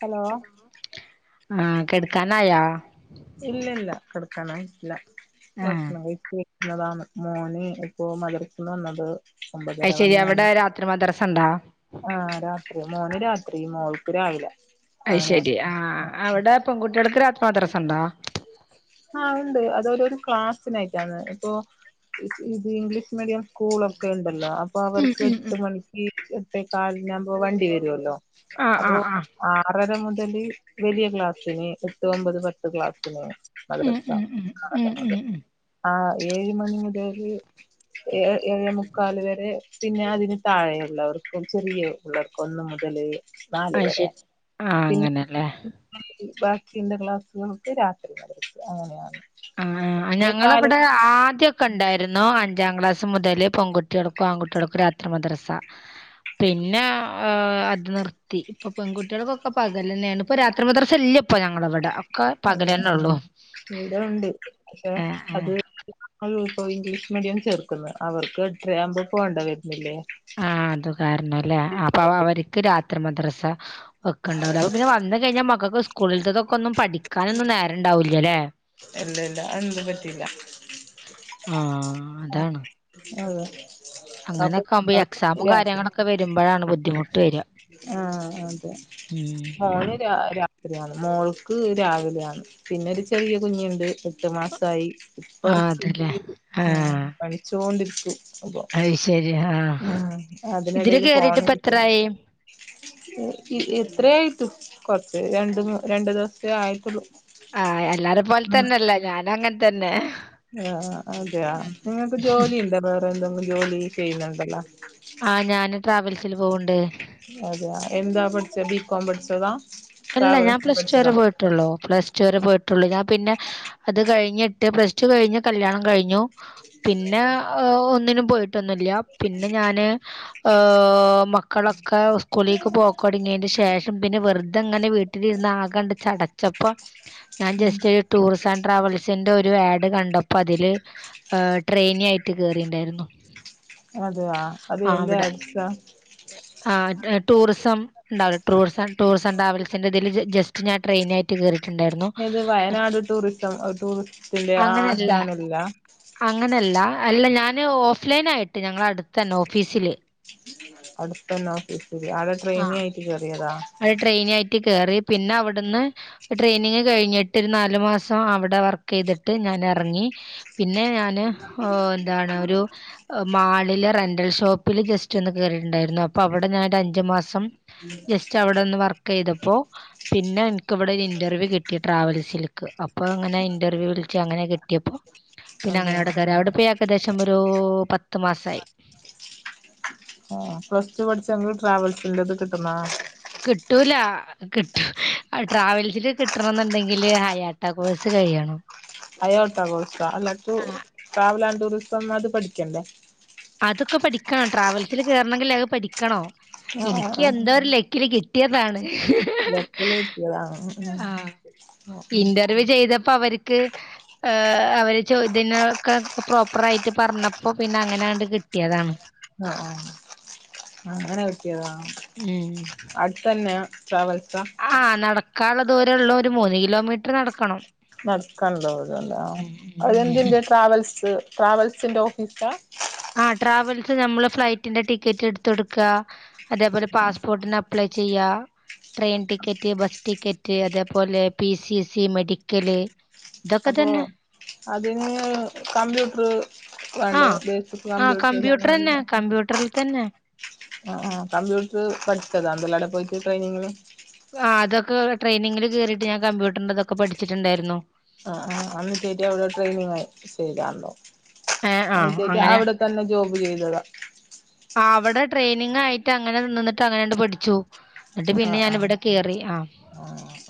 Hello ആഹ് കെട്ക്കാനായോ? ഇല്ലല്ല കെടക്കാനായിട്ടില്ല ആഹ് ഭക്ഷണം കഴിച്ച് വെ ര്ന്നതാണ് മോന് ഇപ്പൊ മദ്രസ്സന്നു വന്നത് ഒമ്പതര അഹ് ശെരി മണിയായി അവിടെ രാത്രി മദ്രസണ്ടോ? ആഹ് രാത്രി മോന് രാത്രി മോൾക്ക് രാവിലെ അഹ് അങ്ങനെ ശരി ആഹ് അവിടെ പെൺകുട്ടികൾക്ക് രാത്രി മദ്രസണ്ടോ? ആഹ് ഉണ്ട് അത് ഒരോര് ക്ലാസ്സിനായിട്ടാണ് ഇപ്പൊ ഇത് ഇംഗ്ലീഷ് മീഡിയം സ്കൂളും ഒക്കെയുണ്ടല്ലോ അപ്പൊ ഉം അവർക്ക് ഉം ഉം എട്ട് മണിക്ക് എട്ടേ കാലിനാകുമ്പോ വണ്ടിവെരോല്ലോ? ആഹ് അപ്പൊ ആഹ് ആഹ് അറര മുതൽ വലിയ ക്ലാസ്സിന് എട്ട് ഒമ്പത് പത്ത് ക്ലാസ്സിന് ഉം ഉം ഉം ഉം ഉം ഉം ആഹ് ഏഴ് മണി മുതല് ഏഴെ മുക്കാൽ വരെ പിന്നെ അതിന് താഴെയുള്ളവർക്കും ചെറിയ പിള്ളർക്ക് ഒന്ന് മുതല് നാല് അത് വരെ ശെരി ആഹ് പിന്നെ അങ്ങനെല്ലേ ബാക്കിയുള്ള ക്ലാസ്സുകൾക്ക് രാത്രി നടക്ക് അങ്ങനെയാണ് ആഹ് കാല ഞങ്ങളവിടെ ആദ്യൊക്കെണ്ടായിരുന്നു അഞ്ചാം ക്ലാസ് മുതല് പെൺകുട്ടിൾക്കും ആൺകുട്ടിൾക്കും രാത്രി മദ്രസ പിന്നെ അത് നിർത്തി പ്പൊ പെൺകുട്ടികൾക്കൊക്കെ പകൽന്നെണ് ഇപ്പൊ രാത്രിമദ്രസ ഇല്ല്യപ്പ പ്പോ ഞങ്ങളവടെ അതെ ഇതുണ്ട് പക്ഷെ ആഹ് ആഹ് അത് ഇപ്പോ ഇംഗ്ലീഷ് മീഡിയം ചേർക്കുന്നു അവർക്ക് [unintelligible] പോണ്ട വരുന്നില്ലേ ആ അത് കാരണംല്ലേ അപ്പൊ അവർക്ക് രാത്രി മദ്രസ വെക്കണ്ടാവില്ല അ പിന്നെ വന്ന കഴിഞ്ഞാ മക്കക്ക് സ്കൂളിലത്തതൊക്കെന്നും പഠിക്കാനൊന്നും നേരം ഉണ്ടാവൂല്ലല്ലേ ഇല്ല ഇല്ല അതന്നും പറ്റില്ല ആ അതാണ് ആ അതെ അപ്പൊ അങ്ങനെയൊെകുമ്പോ എക്സാമും കാര്യങ്ങളൊക്കെ വരുമ്പോഴാണ് ബുദ്ധിമുട്ട് വര ആ അതെ ഉം മോന് രാ രാ ശരിയാണ് മോൾക്ക് രാവിലെയാണ് പിന്നെരു ചെറിയ കുഞ്ഞുണ്ട് എട്ട് മാസായി ആഹ് ഇപ്പറത്ത് അതല്ലേ ആഹ് പഠിച്ചോണ്ടിരിക്കും അപ്പൊ അത് ശരി ആഹ് ആ ഇതില് അതിനിടയില് കേറിട്ട് ഫോണ് ഇപ്പ എടുക്കും എത്രായി എത്രേയിട്ടും കൊറച്ച് രണ്ട രണ്ടു ദിവസത്തേ ആയിട്ടുള്ളു ആ എല്ലാരും പോലെ തന്നെല്ലെ ഞാനും അങ്ങനെ തന്നെ ആ അതെയ നിങ്ങൾക്ക് ജോലിണ്ടോ വേറെ എന്തങ്കിലും ജോലി ചെയ്യുന്നുണ്ടല്ലോ ആ ഞാന് ട്രാവൽസിൽ പോവ്ണ്ട് അതെ എന്താ പഠിച്ച ബികോം പഠിച്ചതാ അല്ല ഞാൻ ട്രാവൽസ് പ്ലസ് ടു പഠിച്ചതാ വരെ പോയിട്ടുള്ളൂ പ്ലസ് ടു വരെ പോയിട്ടുള്ളൂ ഞാൻ പിന്നെ അത് കഴിഞ്ഞ്ട്ട് പ്ലസ് ടു കഴിഞ്ഞ് കല്യാണം കഴിഞ്ഞു പിന്നെ ഒന്നിനും പോയിട്ടൊന്നുല്ല പിന്നെ ഞാന് ആ മക്കളൊക്കെ സ്കൂളിലേക്ക് പോക്ക് തുടങ്ങിയതിന് ശേഷം പിന്നെ വെറതെ ങ്ങനെ വീട്ടിലിരുന്ന് ആകാണ്ട് ചടച്ചപ്പോ ഞാൻ ഉം ജസ്റ്റ് ടൂർസ് ആൻഡ് ട്രാവൽസിന്റെ ഒരു ആഡ് കണ്ടപ്പോ അതില് ട്രെയിനി ആയിട്ട് കേറിണ്ടായിരുന്നു അതെയ അത് ആ എന്താ അവിടെ അടുത്താ ആ ടൂറിസം ണ്ടാവോ ടൂറിസം ട്ടൂ ട്രാവൽസിന്റെതിൽ ജസ്റ്റ് ഞാ ട്രെയിനായിട്ട് കേറിട്ടുണ്ടായിരുന്നു ഇത് വയനാട് ടൂറിസം ടൂറിസ്റ്റിന്റെ ആ അങ്ങനെല്ല ചാനലില്ല അങ്ങനെല്ല അല്ല ഞാന് ഓഫ് ലൈനായിട്ട് ഞങ്ങള അടുത്തന്നെ ഓഫീസില് അടുത്തന്നെ ഓഫീസ് ആളെ ട്രെയിനി ആയിട്ട് കയറിയതാ ആദ്യം ട്രെയിനായിട്ട് കയറി പിന്നെ അവിടുന്ന് ട്രെയിനിങ് കഴിഞ്ഞിട്ട് ഒരു നാലു മാസം അവിടെ വർക്ക് ചെയ്തിട്ട് ഞാൻ ഇറങ്ങി പിന്നെ ഞാന് ന്താണ ഒരു മാളിൽ റെന്റൽ ഷോപ്പില് ജസ്റ്റ് ഒന്ന് കേറിട്ടുണ്ടായിരുന്നു അപ്പൊ അവിടെ ഞാനഞ്ചു മാസം സം ജസ്റ്റ് അവിടെന്ന് വർക്ക് ചെയ്തപ്പോ പിന്നെ എനിക്ക് വിടെ ഒരു ഇന്റർവ്യൂ കിട്ടി ട്രാവൽസിക്ക് അപ്പൊ അങ്ങനെ ഇന്റർവ്യൂ വിളിച്ച അങ്ങനെ കിട്ടിപ്പോ പിന്നെ അങ്ങനെ അതെയ അവിടെ കയറി അവിടെ ഏകദേശം ഒരു പത്ത് മാസായി പ്ലസ്ടു പഠിച്ച ട്രാവൽസിന്റെത് കിട്ടുന്നോ കിട്ടൂല കിട്ടും ട്രാവൽസില് കിട്ടണന്നുണ്ടെങ്കില് ഹൈ ആട്ട കോഴസ് കഴിയണം അയോട്ട കോഴ്‌സോ അല്ലാ ട്രാവൽ ആൻഡ് ടൂറിസം അത് പഠിക്കണ്ടേ അതൊക്കെ പഠിക്കണം ട്രാവൽസിൽ കേറണെങ്കിൽ അത് പഠിക്കണം ആ ആ എനിക്ക് ആ എന്തോരു ലെക്കിൽ കിട്ടി ട്ടിയതാണ് [unintelligible] ലക്ക്ന് കിട്ടിയതാണോ ആഹ് ഇന്റർവ്യൂ ചെയ്തപ്പോ അവർക്ക് ആ അവര് ചോദ്യത്തിനൊക്കെ പ്രോപ്പറായിട്ട് പറഞ്ഞപ്പോ പിന്നെ അങ്ങനെണ്ട് കിട്ടിതാണ് ആഹ് ആഹ് അങ്ങനെ കിട്ടിയതാ ഉം അടുത്തന്നെ ട്രാവൽസാ ആഹ് നടക്കാള്ള ദൂരള്ളു ഒരു മൂന്ന് കിലോമീറ്റർ നടക്കണം നടക്കനുണ്ടാവുലലെ അത് ഉം എന്തിന്റെ ട്രാവൽസ് ട്രാവൽസിന്റെ ഓഫീസാ ആഹ് ട്രാവൽസ് നമ്മള് ഫ്ലൈറ്റിന്റെ ടിക്കറ്റ് എടുത്ത് കൊടുക്ക അത് പോലെ ആ പാസ്പോർട്ടിന് അപ്ലൈ ചെയ്യ ട്രെയിൻ ടിക്കറ്റ് ബസ് ടിക്കറ്റ് അതേപോലെ പി സി സി മെഡിക്കല് ഇതൊക്കെ അപ്പൊ തന്നെ അതിന്ന് കമ്പ്യൂട്ടർ വേണ്ടേ ബേസിക് ആഹ് കമ്പ്യൂട്ടറന്നെ കമ്പ്യൂട്ടർ കമ്പ്യൂട്ടറിൽ തന്നെ ആ കമ്പ്യൂട്ടർ പഠിച്ചതാ അവിടെ പോയിട്ട് ട്രെയിനിങ് ആ അതൊക്കെ ട്രെനിങ്ങില് കേയറിട്ട് ഞാൻ കമ്പ്യൂട്ടറിൻ്റെതൊക്കെ പഠിച്ചിട്ടുണ്ടായിരുന്നു ആ ആഹ് അന്ന് ചേചി അവിടെ ട്രെയിനിങ് ചെയ്തുണ്ടോ ഏ ആ അന്ന് ചേചി അങ്ങനെ അവിടെ തന്നെ ജോബ് ചെയ്തതാ അവിടെ ട്രെയിനിങ് ആയിട്ട് അങ്ങനെ നിന്ന് അങ്ങനെണ്ട് പഠിച്ചു എന്നിട്ട് ആ പിന്നെ ആ ഞാനിവിടെ കേറി ആഹ് ആ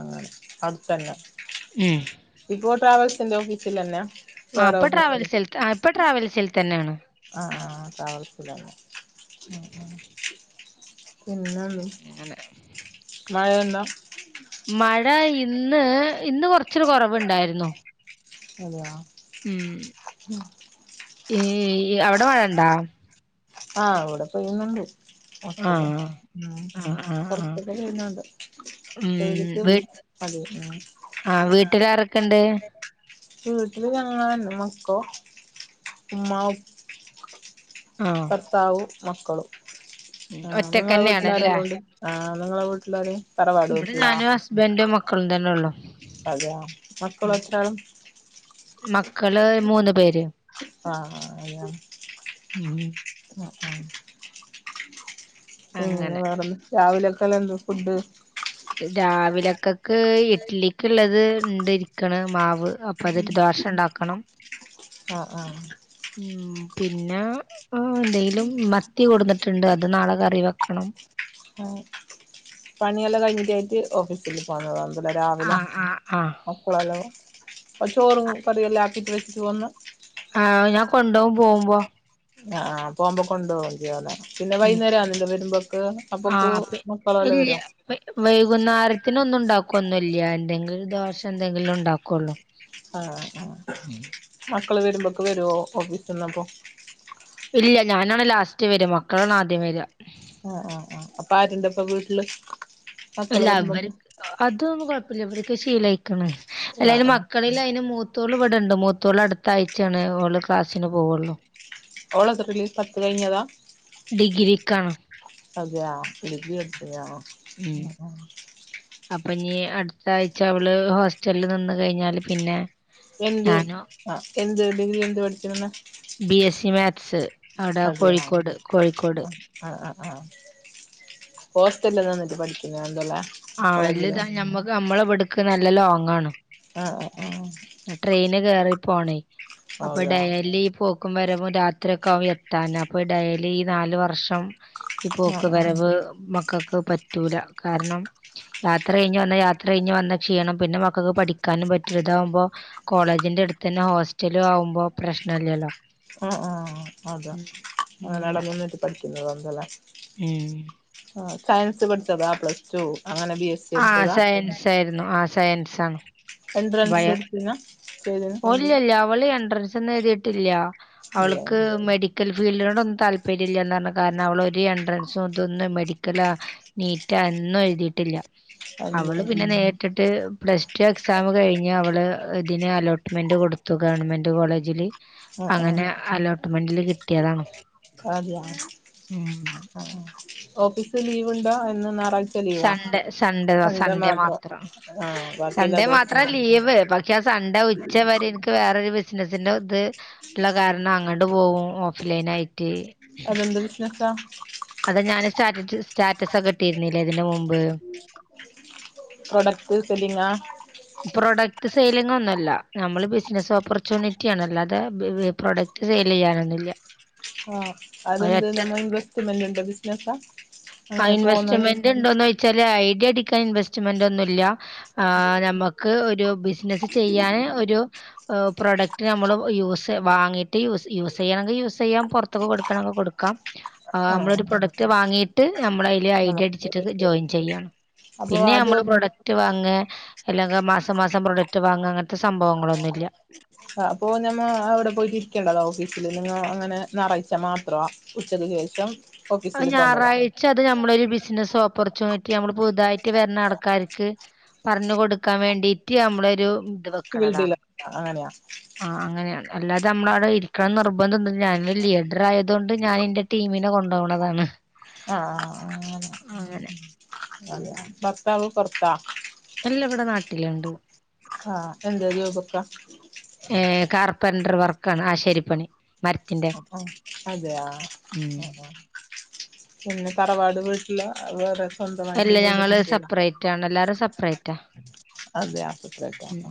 അങ്ങനെ അടുത്തന്നെ ഉം ഇപ്പോ ട്രാവൽസിന്റെ ഓഫീസിൽ തന്നെ ആ പ്പൊ ട്രാവൽസിൽ ഇപ്പൊ ട്രാവൽസിൽ തന്നെയാണ് ആഹ് ആഹ് ഡ്രവൽസില് പിന്നെ മഴയുണ്ടോ മഴ ഇന്ന് ഇന്ന് കൊറച്ചൊരു കുറവുണ്ടായിരുന്നു അതെയ്യോ ഉം അവിടെ മഴയുണ്ടോ ആഹ് ഇവിടെ പെയ്യുന്നുണ്ട് കൊറച്ചക്കെ ആഹ് ആഹ് ആഹ് ആഹ് കൊറച്ചക്ക പെയിന്നുണ്ട് ഉം ആ വീട്ടിൽ ആരക്കെണ്ട് വീട്ടില് ഞങ്ങള് മക്കളും ഉമ്മ ഉ ആഹ് ഭർത്താവും മക്കളും ആഹ് നിങ്ങളെ ഒറ്റക്കന്നെയാണല്ലേ വീട്ടിലാരല്ലാംണ്ട് ആഹ് നിങ്ങളെ വീട്ടിലാര് തറവാട് വീട്ടിലാ അസുബൻഡും മക്കളും തന്നെള്ളൂ അതെ മക്കളക്കെ മക്കള് മൂന്ന് പേര് ആഹ് അതെയ ഉം ഓ [unintelligible] ഉം ന്നെ അങ്ങനെ വേറെന്ത രാവിലക്കെന്ത ഫുഡ് രാവിലക്കക്ക് ഇഡ്ലിക്ക്ള്ളത് ണ്ട് ഇരിക്ക്‌ണ് മാവ് അപ്പ അതെയ്റ്റ് ദോഷ ണ്ടാക്കണം ആഹ് ആഹ് ഉം പിന്നെ ഉം ഡെയ്ലും മത്തി കൊട്ന്നിട്ട്ണ്ട് അത് അത് നാളെ കറി വെക്കണം ആ പണിയെല്ലാം കഴിഞ്ഞിട്ടേറ്റ് ഓഫീസ് പിന്നെ പോന്നതാവും ലെ രാവ് ലെ ആഹ് ആഹ് ആഹ് ഉം കുളവല്ലോ ആ ചോറും കറിയെല്ലാം ആക്കിറ്റ് വെച്ച് പോന്ന ആ അത് ഞാൻ കൊണ്ടോകും പോവുമ്പോ ആ ആ പോകുമ്പോ കൊണ്ടോകും ചെയ്യാലെ പിന്നെ വൈകുന്നേരം ആവില്ലെ വരുമ്പോക്ക് അപ്പൊക്ക് ആഹ് അപ്പ മക്കളല്ല ഇല്ല്യ വരോ വൈ വൈകുന്നേരത്തിന് ഒന്നും ഉണ്ടാക്കോന്നുല്ല്യാ എന്തെങ്കിലും ദോശേ എന്തെങ്കിലും ഉണ്ടാക്കുള്ളൂ ആ ആ മക്കള് വരുമ്പോക്ക്‌ വരുവോ ഓഫീസിന്നപ്പോ ഇല്ല ഞാനാണ് ലാസ്റ്റ് വര മക്കളാണ് ആദ്യം വര ആ ആ ആ അപ്പൊ ആര്ണ്ട് പ്പൊ വീട്ട്ല് അല്ല അവര് അതൊന്നും കൊഴപ്പല്ല്യ വരിക്ക് ശീലായ്ക്കണ് അല്ലാ ആ അയ്‌ന് മക്കള് ആ മക്കളില് അയ്ന് മൂത്തോള് വടണ്ട് മൂത്തോള് അടുത്ത ആഴ്ചയാണ് ഓള് ക്ലാസ്സിന് പോവുള്ളു ഓള് എത്രയിലാ പത്ത് കഴിഞ്ഞതാ ഡിഗ്രിക്ക് ആണ് അതയാ ഡിഗ്രി എട്ത്തിനാ ആ ആ അപ്പൊഞ്ഞി അട്ത്ത ആഴ്ച അവള് ഹോസ്റ്റല്ല് നിന്ന് കഴിഞ്ഞാല് പിന്നെ എന്ത് ഞാനോ ആ എന്ത് ഡിഗ്രി എന്ത് പഠിച്ചണന്ന ബി എസ് സി മാത്സ് അവ്ടെ അതെയാ കോഴിക്കോട് കോഴിക്കോട് ആ ആ ആ ആ ഹോസ്റ്റൽല്ല് നിന്നിട്ട് പഠിക്കുന്ന ആന്തൊല്ലേ ആ അല്ലത് ഞമ്മക്ക് അമ്മളെവ്ട്ക്ക് നല്ല ലോങ്ങാണ് ആഹ് ആഹ് ആഹ് ട്രെയിന് കേറി പോണേയ് അപ്പൊ ആഹ് അതാ ഡയലി പോ ക്കും വരവും രാത്രി ഒക്കെ ആകും എത്താന് അപ്പൊ ഡെയലി ഈ നാല് വർഷം ഈ ആ പോക്ക് വരവ് മക്കക്ക് പറ്റൂല കാരണം യാത്ര കഴിഞ്ഞ് വന്ന യാത്ര കഴിഞ്ഞ് വന്ന ക്ഷീണം പിന്നെ മക്കക്ക് പഠിക്കാനും പറ്റൂല്ല ഇതാകുമ്പോ കോളേജിന്റെ അടുത്ത് തന്നെ ഹോസ്റ്റലും ആവുമ്പോ പ്രശ്നല്ലല്ലോ ആ ആ അതാ ഉം അങ്ങനെട ഇങ്ങനെ നിന്നിട്ട് പഠിക്കുന്നതാവും തല്ലേ ഉം ആ സയൻസ് പഠിച്ചതാ പ്ലസ് ടു അങ്ങനെ ബി എസ് സി ആ എടുത്തതാ സയൻസ് ആയിര്ന്നു ആ സയൻസ് ആണ് എൻഡ്രൻസോട്ത്തീന്നാ [unintelligible] ഓ ഇല്ല്യ ല്ല അവള് എൻട്രൻസ് ഒന്നും എഴുതിട്ടില്ല ഇല്ലേ അവൾക്ക് മെഡി മെഡിക്കൽ ഫീൽഡിനോടൊന്നും താല്പര്യല്ലന്ന് പറഞ്ഞു കാരണം അവളൊരു എൻട്രൻസും ഇതൊന്ന മെഡിക്കലാ നീറ്റാ എന്നും എഴുതിട്ടില്ല അല്ല അവള് പിന്നെ നേരിട്ട്ട്ട് പ്ലസ് ടു എക്സാം കഴിഞ്ഞ് അവള് ഇതിനെ അലോട്ട ലോട്ട് മെന്റ് കൊടുത്തു ഗവൺമെന്റ് കോളേജില് ആ ആ അങ്ങനെ അലോട്ട്മെന്റില് കിട്ടിയതാണ് അതെയൊ ഓഫീസ് ലീവ് ഉണ്ടോ എന്ന് ഞാറാഴ്ച സൺഡേ സൺഡേ സൺഡേ മാത്രം ആ ബാക്കിയെല്ലാ സൺഡേ ദിവസവും മാത്രാ ഉണ്ടാവും ലീവ് ഇച്ചാ സൺഡേ ഉച്ച വരെ എൻക്ക് വേറൊരു ബിസിനസ്സിന്റെത് ള്ള കാരണം അങ്ങട്ട് പോവും ഓഫ് ലൈനായിട്ട് അതെത്താ അത് ഞാൻ സ്റ്റാറ്റസ് സ്റ്റാറ്റസൊക്കെ ഇട്ടിയിരുന്നില്ലേ ഇതിന് മുമ്പ് പ്രോഡക്റ്റ് സെല്ലിങ്ങാ? പ്രൊഡക്റ്റ് സെയ്ലിങൊന്നുവല്ല നമ്മള് ബിസിനസ് ഓപ്പർച്യൂനിറ്റിയാണ് അല്ലാതെ പ്രൊഡക്ട് സെയ്ലെയ്യാനൊന്നുല്ല്യ ആഹ് അതെന്ത് നമ്മ ഇൻവെസ്റ്റ്മെന്റ്ണ്ടോ ബിസിനസാ എങ്ങനെ പോന്നത് ഇൻവസ്റ്റ്ണ്ടോന്നോയിച്ചാല് ഐഡി അടിക്കാൻ ഇൻവെസ്റ്റ്മെന്റൊന്നുല്ല്യ ആഹ് ഞമ്മ ക്ക് ഒരു ബിസിനസ് ചെയ്യാന് ഒരു പ്രോഡക്റ്റ് നമ്മള് യൂസ് വാങ്ങിട്ട് യൂസ് ചെയ്യണമെങ്കിൽ യൂസ് ചെയ്യാം പൊറ ത്തൊക്കെ കൊടുക്കണങ്കി കൊടുക്കാം ആ ആഹ് നമ്മളൊരു പ്രൊഡക്റ്റ് വാങ്ങിയിട്ട് നമ്മളയില് ഐഡി അടിച്ചിട്ട് ജോയിൻ ചെയ്യാണ് അപ്പൊ പിന്നെ അത് നമ്മള് പ്രൊഡക്റ്റ് വാങേ എല്ലാ മാസം മാസം പ്രൊഡക്ട് വാങ്ങ അങ്ങനത്തെ സംഭവങ്ങളൊന്നുല്ല അപ്പൊ ഞമ്മ അവിടെ പോയിട്ടിരിക്കേണ്ടതോ ഓഫീസില് നിങ്ങ അങ്ങനെ ഞാറായിച്ചാ മാത്രോ? ഉച്ചക്ക് ശേഷം ഓഫീസിൽ പോണ്ടതാ ഞായറാഴ്ച അത് നമ്മളൊരു ബിസിനസ്സ് ഓപ്പർച്യൂണിറ്റി നമ്മള് പുതുതായിട്ട് വരണാൾക്കാർക്ക് പറഞ്ഞു കൊടുക്കാൻ വേണ്ടിട്ട് നമ്മളൊരു ഫീൽഡില വെക്കണതാണ് അങ്ങനെയാ? ആ അങ്ങനെയാണ് അല്ലാതെ നമ്മളവിടെ ഇരിക്കണംന്ന് നിർബഡൊന്നുല്ല ഞാനൊരു ലീഡറായതുകകൊണ്ട് ഞാനിന്റെ ക ടീമിനെ കൊണ്ടോവ്ണതാണ് ആഹ് അങ്ങനെ ഉം ഉം ഭർത്താവ് പൊറത്താ? എല്ല ഇവിടെ നാട്ടില്ണ്ട് ആഹ് എന്താ ജോബൊക്കെ? ഏഹ് കാർപ്പന്റർ വർക്കാണ് ആശേരിപ്പണി ആഹ് അതെയോ? ആഹ് ആഹ് പിന്നെ തറവാട് വീട്ടില് വേറെ സ്വന്തമായിട്ട് എല്ല വീട് ഞങ്ങള് കിട്ടിയതാ സെപ്പറേറ്റാണ് എല്ലാരും സെപ്പറേറ്റാ അതെ ആ സെപ്പറേറ്റാണോ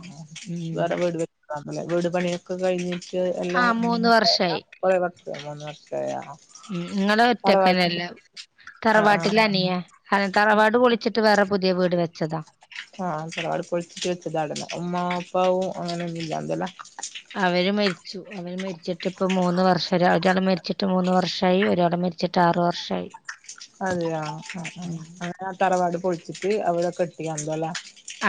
വേറെ വീട് വെക്കാന്ന്ലേ വീട് പണിയൊക്കെ കഴിഞ്ഞ് ആഹ് മൂന്ന് വർഷായി വർഷായോ മൂന്ന് വർഷായോ ഉം തറവാട് ഇങ്ങളൊറ്റക്കന്നെല്ലേ? ആഹ് തറവാട്ടിലനിയ അതെ തറവാട് പൊളിച്ചിട്ട് വേറെ പുതിയ വീട് വെച്ചതാ ആഹ് തറവാട് പൊളിച്ചിട്ട് വെച്ചതാണ് ലേ ഉമ്മാ ഉപ്പാവും അങ്ങനെയൊന്നു ഉണ്ടാവെല്ലലേ അവര് മരിച്ചു അവര് മരിച്ചിട്ട് ഇപ്പ മൂന്ന് വർഷ ഒരാളെ മരിച്ചിട്ട് മൂന്ന് വർഷമായി ഒരാളെ മരി ച്ചിട്ട് ആറ് വർഷായി അതെയോ ആഹ് ആഹ് അങ്ങനെ ആഹ് തറവാട് പൊളിച്ചിട്ട് അവവിടെൊക്ക കെട്ടിക്കയാന്തല്ലേ?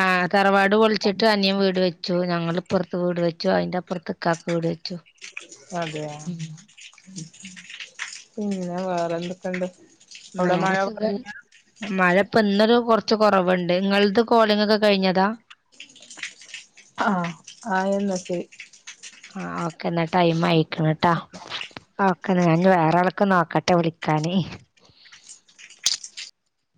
ആ് തറവാട് പൊളിച്ചിട്ട് അനിയം വീട് വെച്ചു ഞങ്ങളിപ്പുറത്ത് വീട് വെച്ചു അയിന്റപ്പുറത്ത് കാക്കു വീട് വെച്ചു അതെയാ? പിന്നെ വേറെന്തൊക്കെണ്ട്? വേറെ സുഖാണ് മഴ ഇപ്പന്നൊരു കൊറച്ച് കൊറവുണ്ട് ഇങ്ങൾത് കോളിങ്ങാക്കെ കഴിഞ്ഞതാ? ആഹ് [unintelligible] ആഹ് ഓക്കെന്നാ ടൈമായിക്ക്ണ് ട്ടോ ഓക്കെന്ന ഞാ വേറാളൊക്ക് നോക്കട്ടെന്നാ വിളിക്കാന്